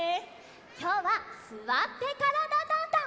きょうは「すわってからだ☆ダンダン」。